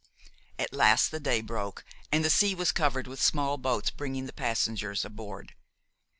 At last the day broke, and the sea was covered with small boats bringing the passengers aboard.